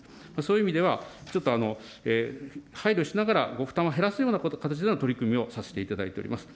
そういう意味では、ちょっと配慮しながら、ご負担を減らす形での取り組みをさせていただいております。